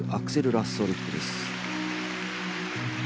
ラッソーリフトです。